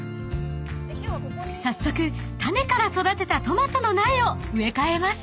［早速種から育てたトマトの苗を植え替えます］